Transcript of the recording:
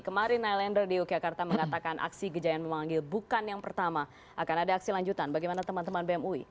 kemarin ilender di yogyakarta mengatakan aksi gejayan memanggil bukan yang pertama akan ada aksi lanjutan bagaimana teman teman bem ui